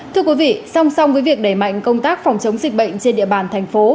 thưa quý vị song song với việc đẩy mạnh công tác phòng chống dịch bệnh trên địa bàn thành phố